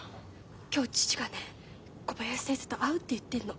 今日父がね小林先生と会うって言ってるの。